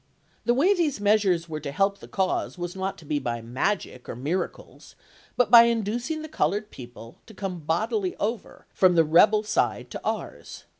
The way these meas ures were to help the cause was not to be by magic, or miracles, but by inducing the colored people to come bodily over from the rebel side to ours.